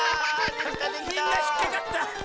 みんなひっかかった！